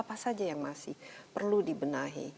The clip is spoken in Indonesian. apa saja yang masih perlu dibenahi